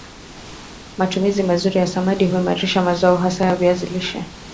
matumizi mazuri ya samadi huimarisha mazao hasa ya viazi lishe